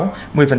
một mươi bệnh viện